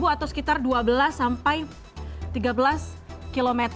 atau sekitar dua belas sampai tiga belas km